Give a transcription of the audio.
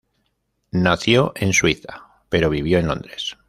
Nació en Suiza pero vivió en Londres.